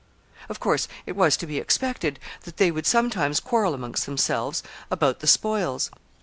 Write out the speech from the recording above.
] Of course, it was to be expected that they would sometimes quarrel among themselves about the spoils.